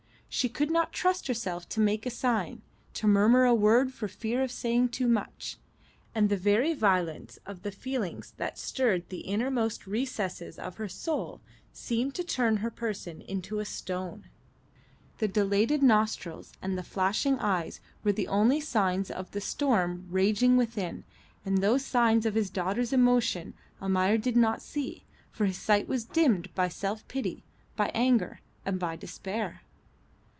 She could not trust herself to make a sign, to murmur a word for fear of saying too much; and the very violence of the feelings that stirred the innermost recesses of her soul seemed to turn her person into a stone. The dilated nostrils and the flashing eyes were the only signs of the storm raging within, and those signs of his daughter's emotion Almayer did not see, for his sight was dimmed by self pity, by anger, and by despair.